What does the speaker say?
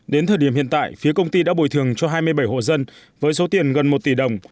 đến thời điểm hiện tại phía công ty đã bồi thường cho hai mươi bảy hộ dân với số tiền gần một tỷ đồng